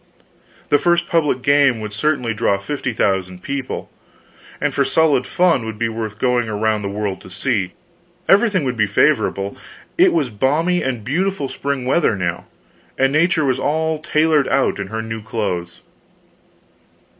The first public game would certainly draw fifty thousand people; and for solid fun would be worth going around the world to see. Everything would be favorable; it was balmy and beautiful spring weather now, and Nature was all tailored out in her new clothes.